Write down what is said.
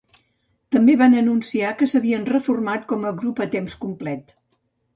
També van anunciar que s'havien reformat com a grup a temps complet.